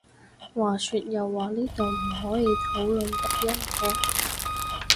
話說又話呢度唔可以討論讀音嘅？